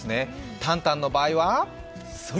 タンタンの場合はそれ！